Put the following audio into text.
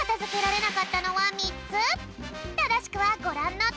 ただしくはごらんのとおり！